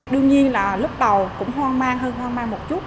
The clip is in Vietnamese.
đương nhiên là lúc tàu cũng hoang mang hơn hoang mang một chút